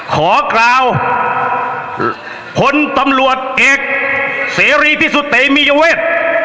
ขอกล่าวพลตำรวจเอกเสรีพิสุทธิเตมียเวท